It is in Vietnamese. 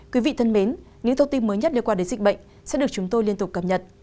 quý vị thân mến những thông tin mới nhất liên quan đến dịch bệnh sẽ được chúng tôi liên tục cập nhật